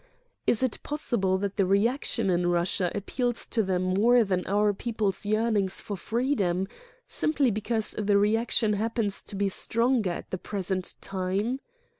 Is it possible that the reaction in Russia appeals to them more than our people's yearnings for freedom, simply because the reaction happens to be stronger at the present time?